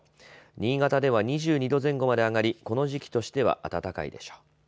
新潟では２２度前後まで上がりこの時期としては暖かいでしょう。